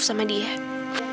minta maaf sama dia